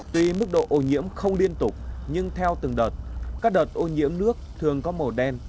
tuy mức độ ô nhiễm không liên tục nhưng theo từng đợt các đợt ô nhiễm nước thường có màu đen